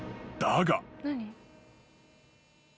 ［だが］